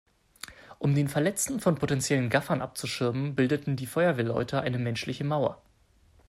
Um den Verletzten von potenziellen Gaffern abzuschirmen, bildeten die Feuerwehrleute eine menschliche Mauer.